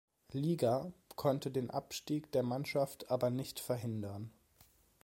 Liga, konnte den Abstieg der Mannschaft aber nicht verhindern.